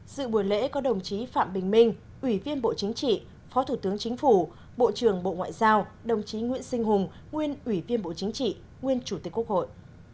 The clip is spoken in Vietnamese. sự buổi lễ có đồng chí phạm bình minh ủy viên bộ chính trị phó thủ tướng chính phủ bộ trưởng bộ ngoại giao đồng chí nguyễn sinh hùng nguyên ủy viên bộ chính trị nguyên chủ tịch quốc hội